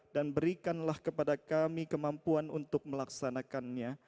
dan berikanlah kepada kami kemampuan untuk melaksanakannya